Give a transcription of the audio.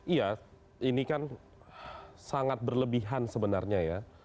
iya ini kan sangat berlebihan sebenarnya ya